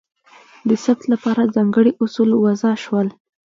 د ثبت لپاره ځانګړي اصول وضع شول.